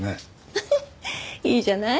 フフッいいじゃない。